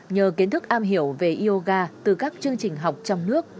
nhờ kiến thức am hiểu về yoga từ các chương trình học trong nước